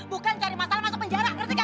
bukan cari masalah masuk penjara